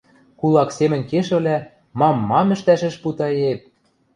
Кулак семӹнь кешӹвлӓ мам-мам ӹштӓш ӹш путаеп!